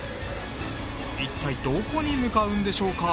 一体どこに向かうんでしょうか？